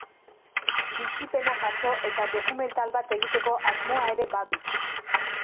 Bizipena jaso eta dokumental bat egiteko asmoa ere badu.